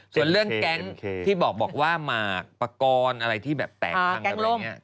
ส่วนเรื่องแก๊งที่บอกว่าหมากปกรณ์อะไรที่แบบแตกพังกันอะไรอย่างนี้